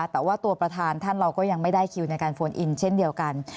แต่ว่าตัวประธานท่านเราก็ยังไม่ได้คิวในการโฟนอินเช่นเดียวกัน